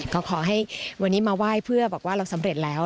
ก็ขอให้วันนี้มาไหว้เพื่อบอกว่าเราสำเร็จแล้ว